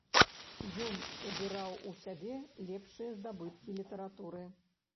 Ён убіраў у сябе лепшыя здабыткі літаратуры.